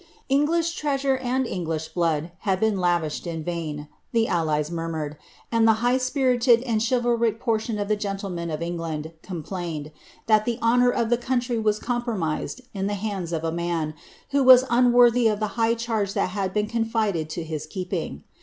English treasure and English blood had been lavished in vain, the allies murmured, and the high spirited and chivalric portion of the gentlemen of England com plained, that the honour of the country was compromised in the hands of a man, who was unworthy of the high charge that had been confided to his keeping.